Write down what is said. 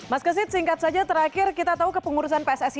mas kusit singkat saja terakhir kita tahu ke pengurusan pssi